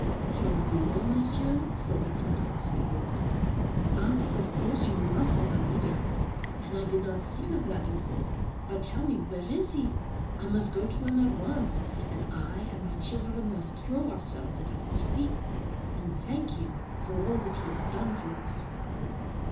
"Your leader, Monsieur?" said the Comtesse, eagerly. "Ah! of course, you must have a leader. And I did not think of that before! But tell me where is he? I must go to him at once, and I and my children must throw ourselves at his feet, and thank him for all that he has done for us."